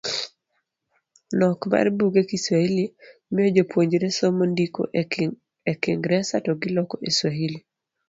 Nok mar buge kiwahili miyo Jopuonjre somo ndiko e kingresa to giloko e Swahili.